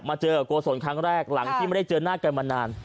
เจอกับโกศลครั้งแรกหลังที่ไม่ได้เจอหน้ากันมานาน